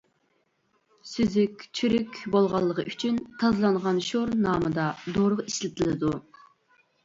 سۈزۈك چۈرۈك بولغانلىقى ئۈچۈن «تازىلانغان شور» نامىدا دورىغا ئىشلىتىلىدۇ.